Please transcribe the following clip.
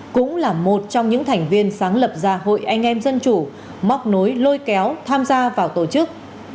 cũng là một trong những thành viên sáng lập ra hội anh em dân chủ móc nối lôi kéo tham gia vào tổ chức